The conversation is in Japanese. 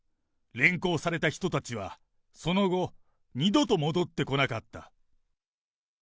連行された人たちは、その後、二度と戻って来なかった。